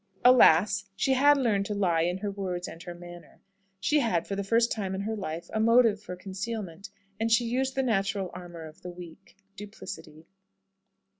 Alas, she had learned to lie in her words and her manner. She had, for the first time in her life, a motive for concealment, and she used the natural armour of the weak duplicity.